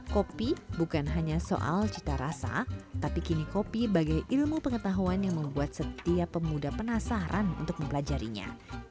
kopi bukan hanya soal cita rasa tapi kini kopi bagai ilmu pengetahuan yang membuat setiap pemuda penasaran untuk mempelajarinya